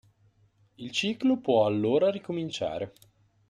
Il ciclo può allora ricominciare.